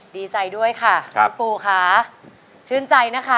ดีใจด้วยค่ะคุณปู่ค่ะชื่นใจนะคะ